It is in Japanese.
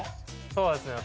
そうですね。